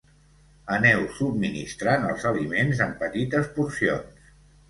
Aneu subministrant els aliments en petites porcions.